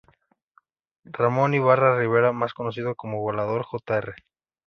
Ramón Ibarra Rivera, más conocido como Volador, Jr.